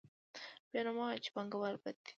بیا نو مه وایئ چې پانګوال بد دي